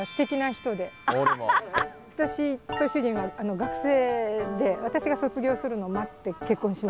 私と主人は学生で私が卒業するのを待って結婚しました。